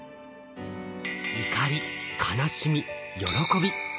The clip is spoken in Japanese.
怒り悲しみ喜び。